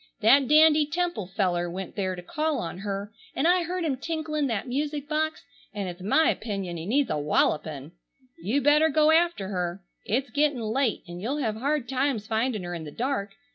That dandy Temple feller went there to call on her, an' I heard him tinklin' that music box, and its my opinion he needs a wallupin'! You better go after her! It's gettin' late and you'll have hard times finding her in the dark.